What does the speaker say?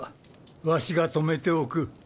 わしが止めておく。